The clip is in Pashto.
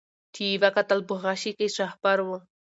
چي یې وکتل په غشي کي شهپر وو